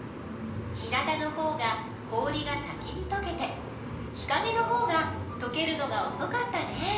日なたのほうが氷が先にとけて日かげのほうがとけるのがおそかったね。